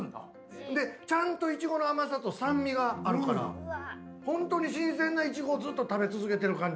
でちゃんといちごの甘さと酸味があるからホントに新鮮なイチゴをずっと食べ続けてる感じ。